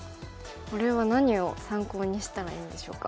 これは何を参考にしたらいいんでしょうか。